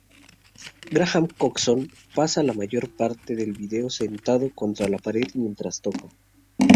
Graham Coxon pasa la mayor parte del video sentado contra la pared mientras toca.